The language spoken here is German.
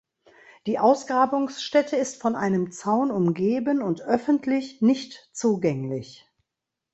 Die Ausgrabungsstätte ist von einem Zaun umgeben und öffentlich nicht zugänglich.